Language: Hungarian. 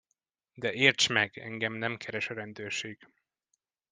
De érts meg, engem nem keres a rendőrség!